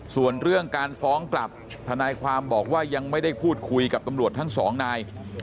ส่วนเรื่องการฟ้องกลับทนายความบอกว่ายังไม่ได้พูดคุยกับตำรวจทั้งสองนาย